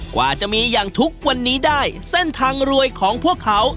กว่าจะมีอย่างทุกวันนี้ได้เส้นทางรวยของพวกเขา